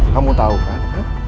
kamu tau kan